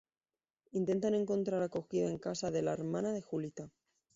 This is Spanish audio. Intentan encontrar acogida en casa de la hermana de Julita.